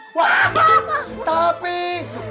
hah sapi wah